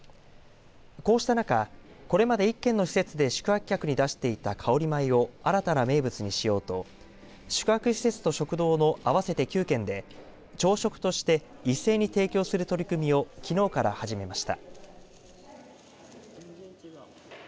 こうした中これまで１軒の施設で宿泊客に出していた香り米を新たな名物にしようと宿泊施設と食堂の合わせて９軒で朝食として一斉に提供する取り組みをきのうから始めました。